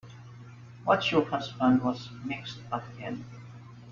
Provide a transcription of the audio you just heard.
What your husband was mixed up in.